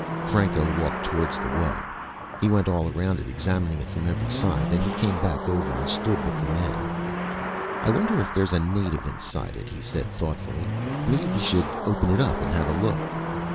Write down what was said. Franco walked toward the wub. He went all around it, examining it from every side. Then he came back over and stood with the men. "I wonder if there's a native inside it," he said thoughtfully. "Maybe we should open it up and have a look."